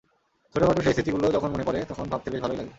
ছোটখাটো সেই স্মৃতিগুলো যখন মনে পড়ে, তখন ভাবতে বেশ ভালোই লাগে।